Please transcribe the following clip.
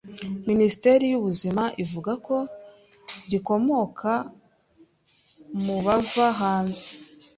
minisiteri y'ubuzima ivuga ko rikomoka mubava hanze